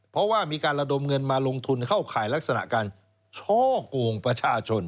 เพราะว่ามีการระดมเงินมาลงทุนเข้าข่ายลักษณะการช่อกงประชาชน